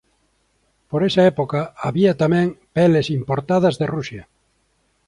Por esa época había tamén peles importadas de Rusia.